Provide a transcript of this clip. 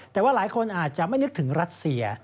แต่ว่าหลายคนอาจจะไม่นึกถึงรัสเซีย